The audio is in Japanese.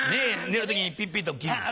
寝る時にピッピと切る。